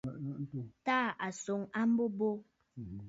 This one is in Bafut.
Tàà a swoŋ a mbo bo.